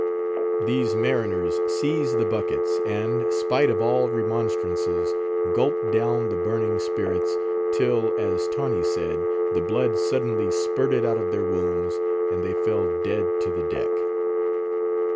These mariners seized the buckets, and, spite of all remonstrances, gulped down the burning spirits, till, as Tawney said, the blood suddenly spirted out of their wounds, and they fell dead to the deck.